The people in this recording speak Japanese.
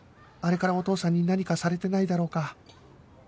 あれからお父さんに何かされてないだろうか？